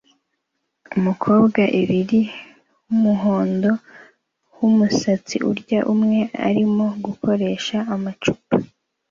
Umukobwa ibiri wumuhondo wumusatsi urya umwe arimo gukoresha amacupa